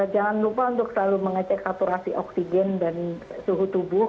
jangan lupa untuk selalu mengecek saturasi oksigen dan suhu tubuh